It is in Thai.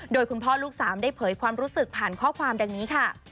โดยคุณพ่อลูกสามได้เผยความรู้สึกผ่านข้อความดังนี้ค่ะ